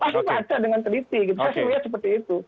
saya lihat seperti itu